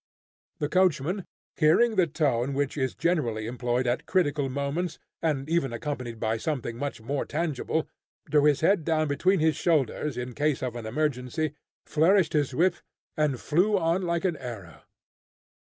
The coachman, hearing the tone which is generally employed at critical moments, and even accompanied by something much more tangible, drew his head down between his shoulders in case of an emergency, flourished his whip, and flew on like an arrow.